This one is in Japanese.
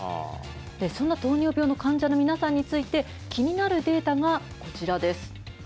そんな糖尿病の患者の皆さんについて、気になるデータがこちらです。